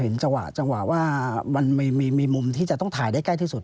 จังหวะจังหวะว่ามันมีมุมที่จะต้องถ่ายได้ใกล้ที่สุด